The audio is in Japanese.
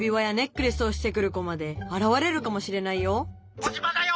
「コジマだよ！」。